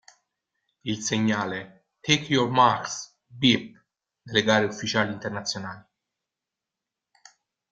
Il segnale "Take your marks… Beep", nelle gare ufficiali internazionali.